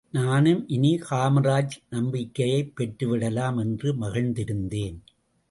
நானும், இனி காமராஜ் நம்பிக்கையைப் பெற்றுவிடலாம் என்று மகிழ்ந்திருந்தேன்.